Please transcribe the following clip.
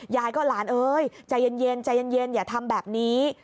ยายก็หลานเอ้ยใจเย็นใจเย็นอย่าทำแบบนี้